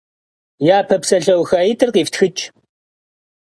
Yape psalheuxait'ır khiftxıç'.